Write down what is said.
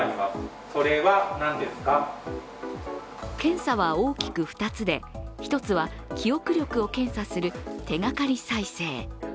検査は大きく２つで１つは記憶力を検査する手がかり再生。